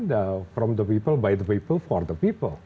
dari orang oleh orang untuk orang